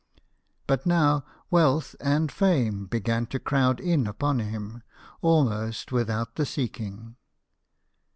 But now wealth and fame began to crowd in upon him, almost without the seeking.